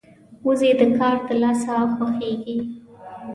وزې د کار د لاسه خوښيږي